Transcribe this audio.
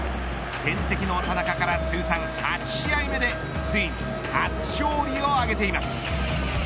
天敵の田中から通算８試合目でついに初勝利を挙げています。